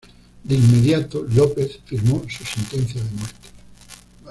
De inmediato, López firmó su sentencia de muerte.